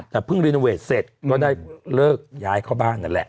แต่เพิ่งรีโนเวทเสร็จก็ได้เลิกย้ายเข้าบ้านนั่นแหละ